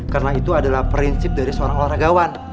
karena itu adalah prinsip dari seorang olahragawan